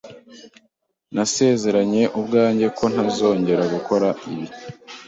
Nasezeranye ubwanjye ko ntazongera gukora ibi.